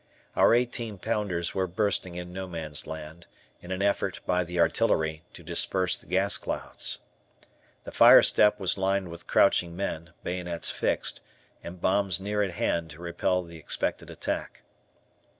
Our eighteen pounders were bursting in No Man's Land, in an effort, by the artillery, to disperse the gas clouds. The fire step was lined with crouching men, bayonets fixed, and bombs near at hand to repel the expected attack.